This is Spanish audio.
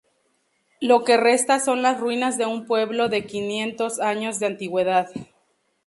Lo que resta son las ruinas de un pueblo de quinientos años de antigüedad.